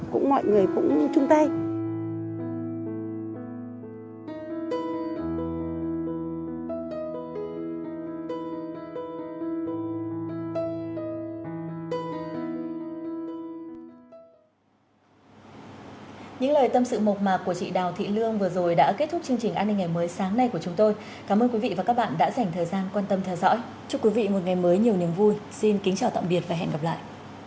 chúc quý vị một ngày mới nhiều niềm vui xin kính chào tạm biệt và hẹn gặp lại